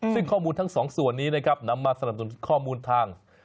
ซึ่งข้อมูลทั้งสองส่วนนี้นะครับนำมาสนับสนุนข้อมูลทาง